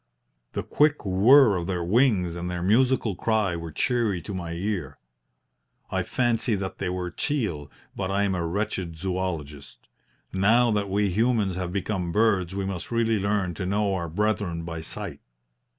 The quick whirr of their wings and their musical cry were cheery to my ear. I fancy that they were teal, but I am a wretched zoologist. Now that we humans have become birds we must really learn to know our brethren by sight.